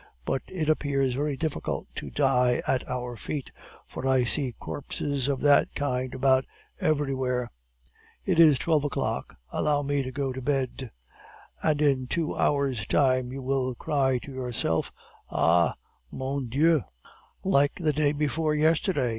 'But it appears very difficult to die at our feet, for I see corpses of that kind about everywhere. It is twelve o'clock. Allow me to go to bed.' "'And in two hours' time you will cry to yourself, Ah, mon Dieu!' "'Like the day before yesterday!